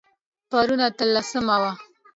پرون اتلسمه وه